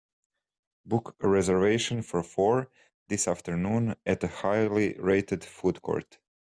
Book a reservation for four this Afternoon at a highly rated food court